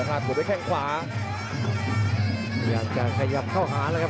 ไอ้อุดมเล็ก